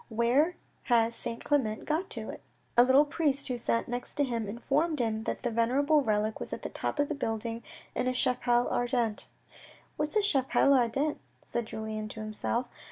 Where has Saint Clement got to ?" A little priest who sat next to him informed him that the venerable relic was at the top of the building in a chapelle ardente. "What is a chapelle ardente" said Julien to himself.